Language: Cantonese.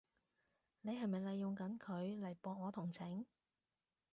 你係咪利用緊佢嚟博我同情？